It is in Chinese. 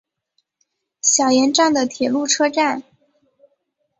小岩站的铁路车站。